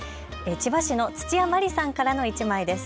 千葉市の土屋真理さんからの１枚です。